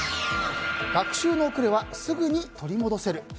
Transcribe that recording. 学習の遅れはすぐに取り戻せる。